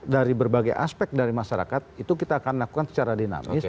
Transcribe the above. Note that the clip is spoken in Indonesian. dari berbagai aspek dari masyarakat itu kita akan lakukan secara dinamis